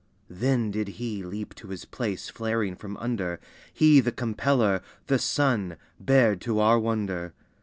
Then did He leap to His place flaring from under, He the Compeller, the Sun, bared to our wonder.